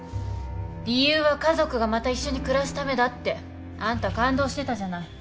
理由は家族がまた一緒に暮らすためだってあんた感動してたじゃない。